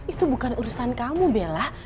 itu bukan urusan kamu bella